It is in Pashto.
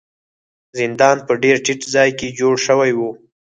زندان په ډیر ټیټ ځای کې جوړ شوی و.